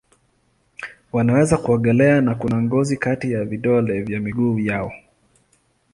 Wanaweza kuogelea na kuna ngozi kati ya vidole vya miguu yao.